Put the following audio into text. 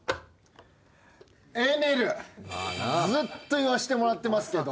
ずっと言わせてもらってますけど。